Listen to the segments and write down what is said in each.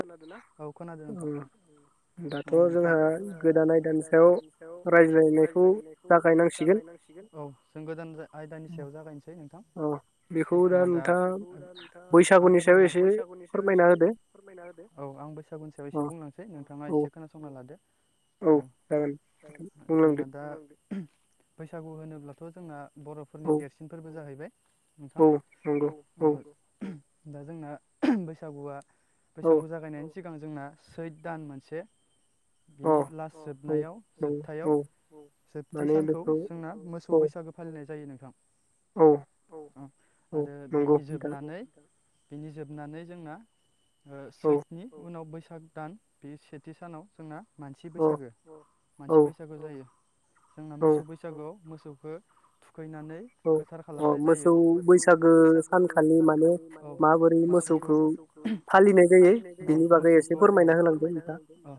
खोनादों ना औ खोनादों नोंथां औ नोंथां जोंहा गोदान आयदानि सायाव रायज्लायनायखौ जागायनांसिगोन औ जों गोदान आयदानि सायाव जागायनोसै नोंथां नोंथाङा दा बेखौ नोंथाङा आं फोरमायलांसै बैसागुनि सायाव एसे औ आं बैसागु सायाव एसे बुंलांसै नोंथाङा एसे खोनासंना लादो औ औ जोंना दा बैसागु होनोब्लाथ' जोंना बर'फोरनि देरसिनफोरबो जाहैबाय नोंथां औ दा जोंना बैसागुआ बैसागु जागायनायनि सि सिगां जोंना सैथ दान मोनसे बिनि लास जोबनायाव जोबथायाव जोबथि सानखौ जोंना मोसौ बैसागो फालिनाय जायो नोंथां [inaudible] औ अ आरो बेनि जोबनानै बिनि जोबनानै जोंना ओ सैथनि उनाव बैसाग साग दान बे सेथि सानाव जोंना मानसि बैसागो मानसि बैसागु जायो जोंना मोसौ बैसागुआव मोसौ मोसौखौ थु थुखैनानै गोथार खालामनाय जायो मोसौ बैसागो सानखालि माखौ मोसौखौ फालिनाय जायो औ मोसौखौ औ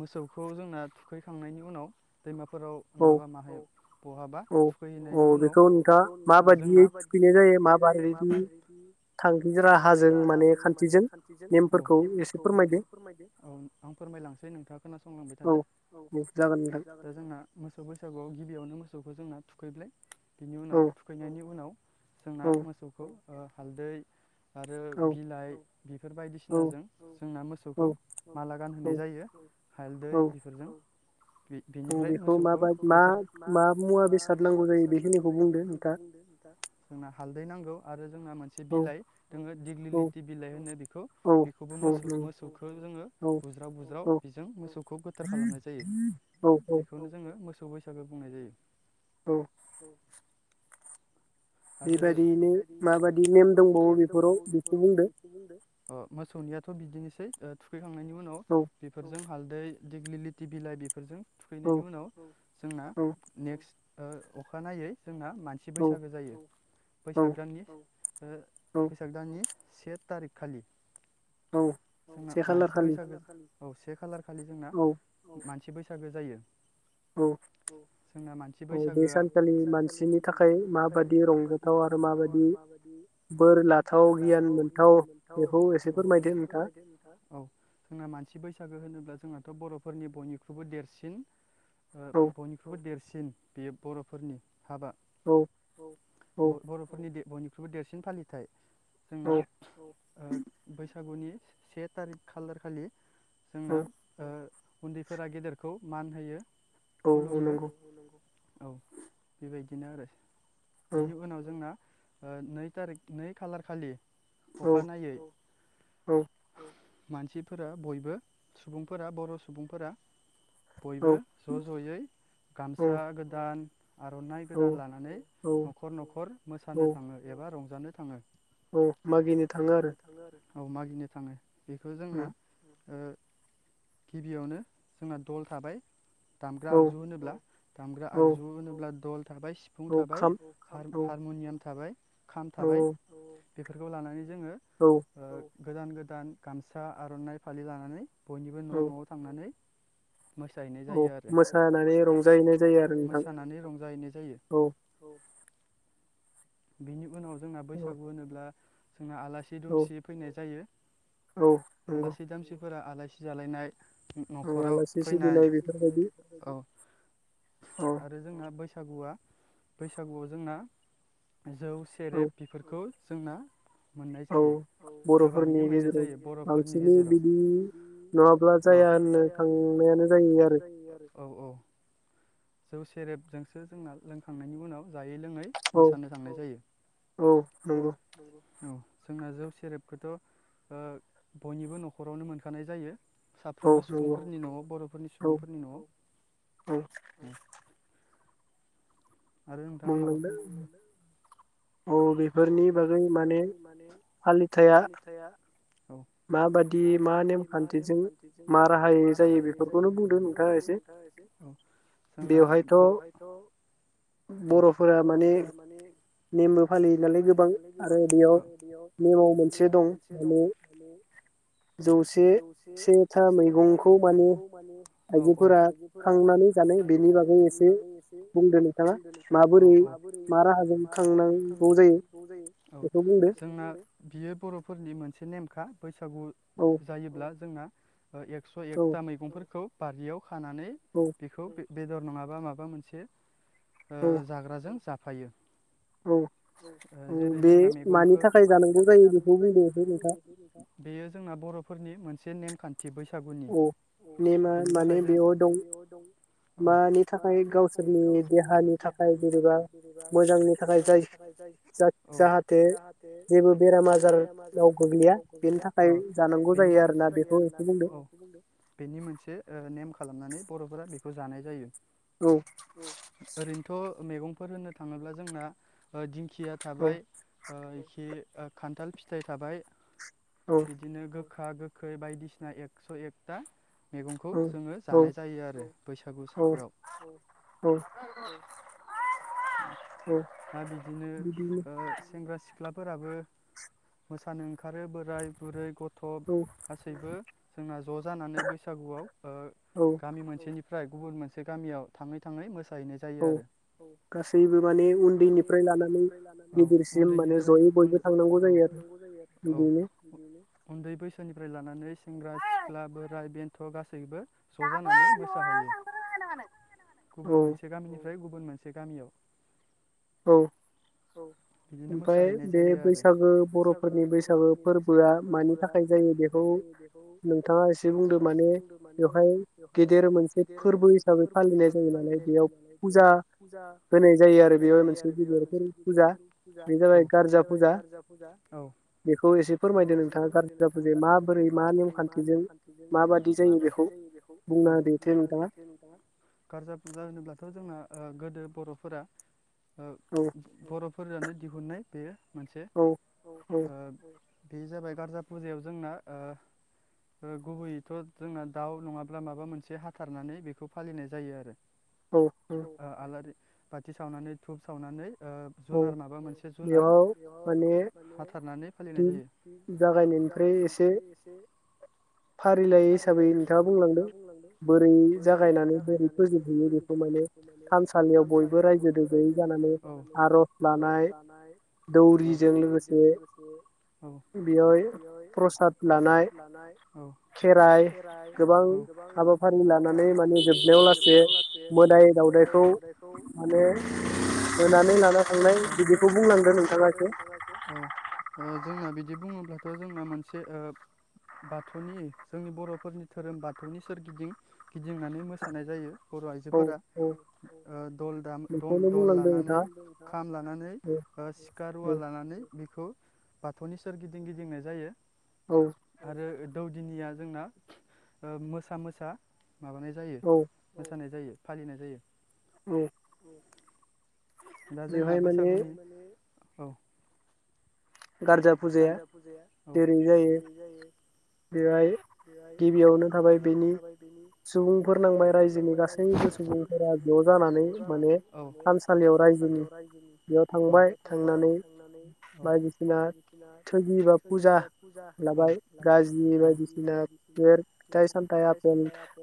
मोसौखौ जोंना थुखैखांनायनि उन उनाव दैमा फोराव नङाबा माहायाव बहाबा थुखैहैनायनि उनाव बेखौ नथां जों माबायदियै थुखैनाय जायो माबायदि थांफिनग्रा हाजों माने औ आं फोरमायलांसै नोंथाङा खोनासंलांबाय थादो औ ज जोंना मोसौ बैसागुआव गिबियावनो मोसौखौ जोंना थुखैलाय बिनि उनाव थुखैनायनि उनाव जोंना मोसौखौ ओ हालदै आरो बिलाइ बेफोर बायदिसिनाजों जोंना मोसौखौ माला गानहोनाय जायो हालदै बेफोरजों बेनिफ्राय मोसौखौ गोथार मा मा मुवा बेसाद नांगौ जायो बेखिनिखौ बुंद नोंथा जोंना हाल दैनांगौ आरो जोंना मोनसे बिलाइ जोङो दिग्लिथि बिलाइ होन बेखौबो मोसौखौ जोङो बुज्राव बुज्राव बेजों मोसौखौ गोथार खालामनाय जायो बेखौनो जोङो मोस हिसाबै बुंनाय जायो औ आरो बेबायदिनो माबायदि नेम दंबावो बेफोराव बेखौ बुंदों ओ मोसौनिया थ' बिदिनोसै थुखै थांनायनि उनाव बेफोरजों हालदै दिेग्लि लिथि बिलाइ बेफोरजों थुखैनायनि उनाव जोंना नेक्स्ट अखानायै जोंना मानसि बैसागो जायो बैसाग दाननि बैसाग दाननि से थारिख खालि जोंना मानसि बैसागो औ से खाालार खालि जोंना मान सि बैसागो जायो औ जोंना मानसि बैसागोआ बे सानखालि मानसिनि थाखाय मा यो रंजाथाव आरो माबायदि बोर लाथाव गियान मोनथाव बेखौ एसे फोरमायदो नोंथाङा औ जोंना मानसि बैसागो होनोब्ला जोंनाथ' बर'फोरनि बयनिख्रुइबो देरसिन ओ बयनिख्रुइबो देरसिन बेयो बर'फोरनि हाबा औ बर'फोरनि बयनिख्रुइबो देरसिन फालिथाय जोंना बैसा गुनि से थारिख खालारखालि जोंना ओ उन्दैफोरा गेदेरखौ मान होयो खुलुमो औ बेबायदिनो आरो बिनि उनाव जोंना ओ नै थारिख नै खालार खालि अखानायै मानसिफोरा बयबो सुबुंफोरा बर' सुबुंफोरा बयबो ज' ज'यै गामसा गोदान आर'नाइ गोदान लानानै न'खर न'खर मोसानो थाङो एबा बा रंजानो थाङो औ मागिनो थाङो आरो औ मागिनो थाङो बेखौ जोंना ओ गिबियावनो जोंना दल थाबाय दामग्रा आगजु होनोब्ला दामग्रा आगजु होनोब्ला दल थाबाय सिफुं थाबाय हार हारमनियाम थाबाय खाम थाबाय बेफोरखौ लानानै जोङो ओ गोदान गोदान गामसा आर'नाइ फालि लानानै बयनिबो न नयाव थांनानै मोसाहैनाय जायो आरो मोसानानै रंजाहैनाय जायो। बिनि उनाव जोंहा बैसागु होनोब्ला जोंना आलासि दुमसि फैनाय जायो। आलासि दामसिफोरा आलासि जालायनाय नखराव फैनाय औ आरो जोंना बैसा बैसागुआ बैसागुआव जोंना जौ सेरेब बिफोरखौ जोंना मोननाय जायो गोबाङैनो मोननाय जायो बर'फोरनि गेजेराव [inaudible] औ औ औ जौसे सेरेबजोंसो जोंना लोंखा थांनायनि उनाव जाय यै लोङै मोसानो थांनाय जायो औ। जोंना जौ सेरेबखौथ ओ बयनिबो नखरावनो मोनखानाय जायो। साफ्रोमबो सुबुंफोरनि नयाव बर'फोरनि सुबुंफोरनि नयाव आरो नोंथाङा माबाफोर औ बेफोरनि बागै माने फालिथाया औ माबादि मा नेमखान्थिजों मा राहायै जायो? बेफोरखौनो बुंदों नोंथाङा एसेै औ जोंना बर'हायथ बर'फोरा माने नेमबो फा नेमबो फालियो नालाय गोबां आरो बेयाव नेमाव मोनसे दं माने जौसे सेथा मैगंखौ माने आइजोफोरा खांनानै जानो बेनि बागै एसे माबोरै मा राहाजों खांनां औ जोंना बियो बर'फोरनि मोनसे नेमखा बैसागु जायोब्ला जोंना एकस' एकथा मैगंफोरखौ बारियाव खानानै बेखौ बे बेदर नङाबा माबा मोनसे ओ जाग्राजों जा हायो जेरै जोंना मैगंखौ म थाखाय जानांगौ जायो बेयो जोंना बर'फोरनि मोनसे नेम थि बैसागुनि बेनि थाखाय जों माने बेयाव दं मानि थाखाय गावसोरनि देहानि थाखाय जेनेबा मोजांनि थाखाय जाय जाहाथे जेबो बेराम आजाराव गोग्लैयानि थाखाय जायो आरोना बेखौ बेनि मोनसे नेम खालामनानै बर'फोरा बेखौ जानाय जायो ओरैनोथ' मैगं फोर होननो थाङोब्ला जोंना ओ खिया थाबाय ख खान्थाल फिथाइ थाबाय बिदिनो गो गोखा गोखै बायदिसिना एकस' एकथा मैगंखौ जोङो जानाय जायो आरो बैसागु सानआव ना बिदिनो ओ सेंग्रा सिख सिख्लाफोराबो मोसानो ओंखारो बोराय बुरै गथ' थब गासैबो जोंना ज' जानानै बैसागुआव ओ गामि मोनसेनि फ्राय गुबुन मोनसे गामियाव थाङै थाङै मोसा मोसा हैनाय जायो आरो ओ गासैबो माने उन्दैनिफ्राय लानानै औ ओ उन्दै बैसोनिफ्राय लानानै सेंग्रा सिख्ला बोराय बेन थ' गासैबो ज' जानानै मोसाहैयो गुबुन मोनसे गामिनिफ्राय गुबुन मोन बे गामियाव औ ओमफाय बे बैसागो बर'फोरनि बैसागो फोरबोआ मानि थाखाय जायो बेखौ नोंथाङा एसे बुंदों माने बेवहाय गेदेर मोनसे फोरबो हिसाबै फालिनाय जायो नालाय बेयाव फुजा होनाय जायो आरो बे बेवहायनो आरो बेवहाय मोनसे गिदिर फुजा औ बे जाबाय गारजा फुजा औ बेखौ एसे फोरमायदो नोंथाङा गारजा फुजाया माबोरै मा नेमखान्थिजों माबाददि जायो बेखौ औ बुंना होदो नोंथाङा गारजा फुजा होनोबथ' जोंना ओ गोदो बर'फोरा ओ बर'फ फोरजानो दिहुननाय बे मोनसे ओ बे जाबाय गारजा फुजायाव जोंना ओ गुबैयैथ' जोंना दाउ नङाब्ला माबा मोनसे हाथारनानै बेखौ फालिनाय जायो आरो औ औ बाथि सावनानै धुब सावनानै ओ जुनार माबा मोनसे जुनार बेयाव माने हाथारनानै फालिनाय जायो जागायनायनिफ्राय एसे फारिलाइ हिसाबै नोंथाङा बुंलांदों बोरै जागायनानै बोरै फोजोब हैयो बेखौ माने थानसालियाव बय रायजोदों बयबो माने औ आरज लानाय दौरिजों लोगोसे बेवाय प्रसाद लानाय खेराइ गोबां हाबाफारि लानानै माने जोबनायाव लासै मोदाय दावदायखौ [unintelligible] होनानै होनानै लाना थांनाय बिदिखौ बुंलांदो नोंथाङा एसे ओ जोंना बिदि बुङोब्लाथ' जोंना मोनसे ओ बाथौनि जोंनि बर'फोरनि धोरोम बाथौनि सोरगिदिं गिदिंनानै मोसानाय जायो बर' आइजोफोरा ओ औ दल दाम दल लानानै खाम लानानै सिखा रुवा लानानै बेखौ बाथौनि सोरगिदिं गिदिंनाय जायो आरो दौदिनिया जोंना ओ मोसा मोसा माबानाय जायो मोसानाय जायो फालिनाय जायो औ दा जोंना बैसागुनि औ गारजा फुजाया जेरै जायो बेहाय गिबियावनो थाबाय बेनि सुबुंफोर नांबाय रायजोनि गासैबो सुबुंफोरा ज' जानानै माने थानसालियाव रायजोनि बेयाव थांबाय थांनानै बायदिसिना दा बायदिसिना थजि बा फुजा लाबाय गाज्रि बायदिसिना बि फिथाइ सामथ आफ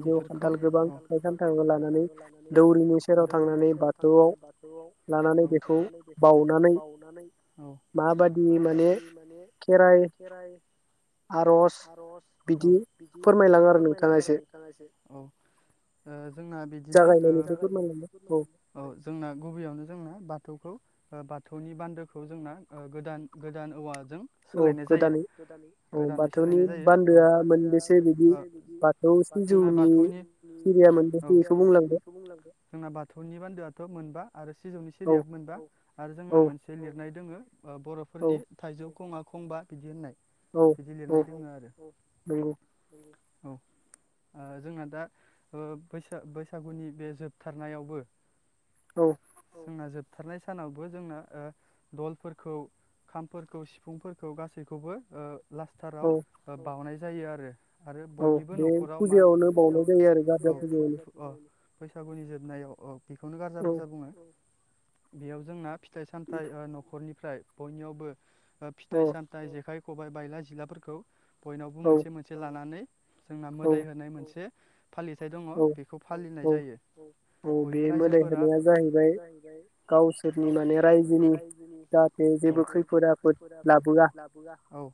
बेफोरखौ आंखाल गोबां फिथाइ सामथाइ लानानै दौरिनि सेराव थांनानै बाथौआव लानानै बेखौ बावनानै माबादि माने खेराइ आरज बिदि औ फोरमायलां आरो नोंथाङा एसे औ जागायनायनिफ्राय फोरमायलां औ जोंना‌ बिदिनो औ जोंना गुबैयाव बा बाथौखौ बाथौनि बान्दोखौ जोंना गोदान गोदान आदब जों सोलायनाय जायो गोदानै सोलायनाय जायो औ जोंना बाथौनि जोंना बाथौनि बान्दोआथ' मोनबा आरो सिजौनि सिरियाब मोनबा आरो जोंना मोनसे लिरनाय दङो अ फोरनि थाइजौ खङा खंबा बिदि होननाय बिदि लिरनाय दोङो आरो औ जोंना ओ दा बैस बैसागुनि बे जोबथारनायावबो औ जोंना जोबथारनाय सानावबो जोंना दलफोरखौ खामफोरखौ सिफुंफोरखौ गासैखौबो लास्टाराव बावनाय जायो आरो आरो बयनिबो न'खराव मा औ औ बैसागुनि जोबनायाव औ बेखौनो गारजा बुरजा बुङो बेयाव जोंना फि फिथाइ सामथाइ न'खरनिफ्राय बयनावबो फिथाइ सामथाइ जेखाइ खबाइ बायला जिलाफोरखौ बयनावबो मोनसे मोनसे लानानै जोंना मोदाय होनाय मोनसे फालिथाय दङ बेखौ फालिनाय जायो औ बयबो रायजोफोरा बे होनाया जाहैबाय गावसोरनि माने रायजोनि जेबो खैफोद आफोद लाबोआ औ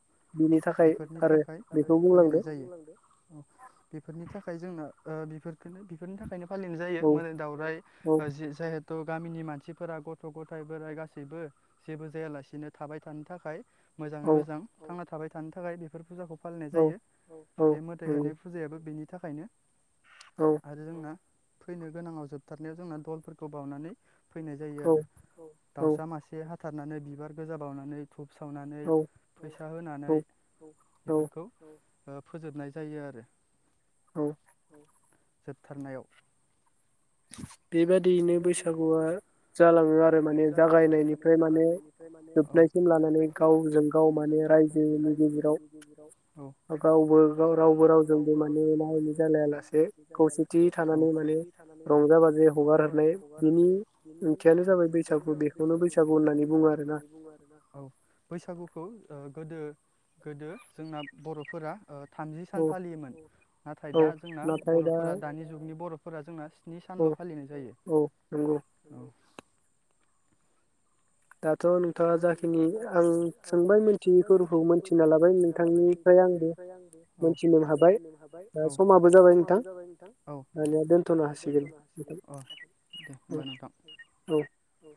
बेफोरनि थाखाय फालिनाय जायो बेफोरनि थाखाय जोंना ओ बिफोरखोनो बिफोरनि थाखाय खायनो फालिनाय जायो मोदाय दावरायफ्रा जि जेहेथु थ' गामिनि मानसिफोरा गथ' गथाय बोराइ गासैबो जेबो जायालासे सेनो थाबाय थानो थाखाय मोजाङै मोजां थांना थाबाय थानो थाखाय बेफोर फुजाखौ फालिनाय जायो बे मोदाइ होनाय फुजायाबो बेनि थाखायनो आरो जोंना फैनो गोनाङाव जोबथारनायाव जोंना दलफोरखौ बावनानै फैनाय जायो आरो दाउसा मासे हा फुथारनानै बिबार गोजा बावनानै धूप सावनानै फैसा होनानै बेफोरखौ फोजोबनाय जायो आरो औ जोबथारनायाव [inaudible] बेबादियैनो बैसागुआ जालाङो आरो माने जागायनायनिफ्राय माने जोबनायसिम लानानै गावजों गाव माने रायजोनि गेजेराव गावबो गाव रावबो रावजोंबो माने एना एनि जालायालासे खौसेथि थानानै माने [unintelligible] रंजा बाजायै हगारहरनाय बिनि ओंथियानो जाबाय बैसागु बेखौनो बैसागु होननानै बुङो आरो ना औ बैसागुखौ ओ गोदो गोदो जोंना बर'फोरा ओ थामजि सान फालियोमोन। नाथाय दा जोंना बर'फोरा दानि जुगनि बर'फोरा जोंना स्नि सानल औ दाथ नोंथाङा जाखिनि आं सोंबाय मोनथियैफोरखौ मोनथिना लाबाय नोंथांनिफ्राय आंबो औ मोनथिनो हाबाय औ दा समाबो जाबाय नोंथां औ दानिया दोनथनो हासिगोन औ दे होनबा नोंथां औ औ